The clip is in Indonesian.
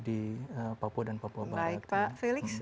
di papua dan papua barat baik pak felix